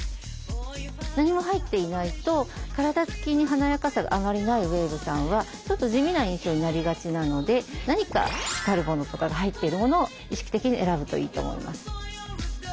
何も入っていないと体つきに華やかさがあまりないウエーブさんはちょっと地味な印象になりがちなので何か光るものとかが入っているものを意識的に選ぶといいと思います。